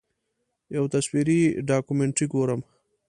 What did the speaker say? یو تصویري ډاکومنټري ګورم.